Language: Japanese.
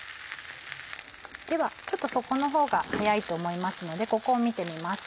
ではちょっと底のほうが早いと思いますのでここを見てみます。